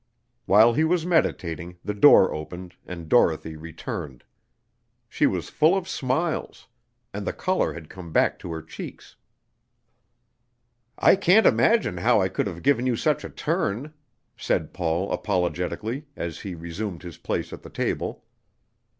While he was meditating, the door opened, and Dorothy returned. She was full of smiles; and the color had come back to her cheeks. "I can't imagine how I could have given you such a turn," said Paul apologetically, as he resumed his place at the table.